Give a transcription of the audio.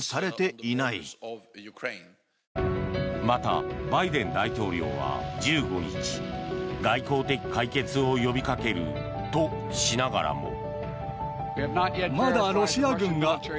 また、バイデン大統領は１５日外交的解決を呼びかけるとしながらも。